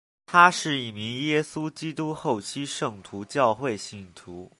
他是一名耶稣基督后期圣徒教会信徒。